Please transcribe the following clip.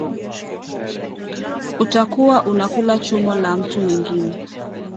Utakuwa unakula chumo la mtu mwingine